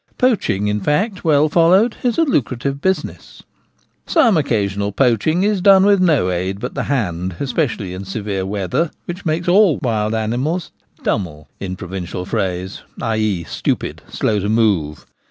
Poaching, in fact, well followed, is a lucra tive business. Some occasional poaching is done with no aid but the hand, especially in severe weather, which makes all wild animals ' dummel/ in provincial phrase — i.e* stupid, slow to move.